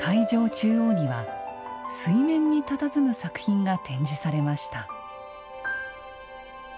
中央には水面にたたずむ作品が展示されました。